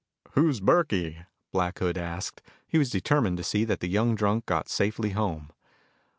"Who's Burkey?" Black Hood asked. He was determined to see that the young drunk got safely home.